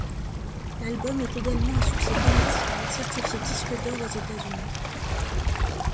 L'album est également un succès commercial, certifié disque d'or aux États-Unis.